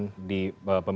terima kasih pak